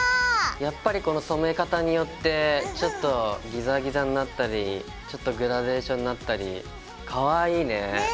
やっぱりこの染め方によってちょっとギザギザになったりちょっとグラデーションになったりかわいいね。ね！